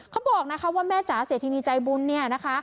เขาบอกนะคะว่าแม่จ๋าเศรษฐีนิจัยบุญนะคะ